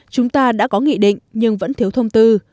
chúng ta đã có nghị định nhưng vẫn thiếu thông tư